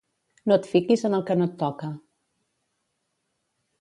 No et fiquis en el que no et toca.